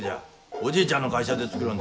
おじいちゃんの会社で作りょんぞ。